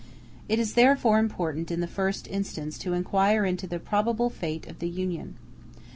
It is therefore important in the first instance to inquire into the probable fate of the Union.